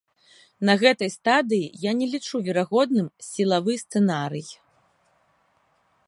На гэтай стадыі я не лічу верагодным сілавы сцэнарый.